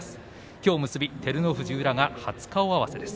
きょうの結び、照ノ富士と宇良初顔合わせです。